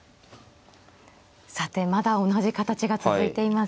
さてまだ同じ形が続いています。